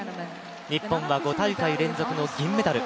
日本は５大会連続の銀メダル。